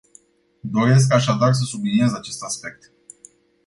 Doresc, așadar, să subliniez acest aspect.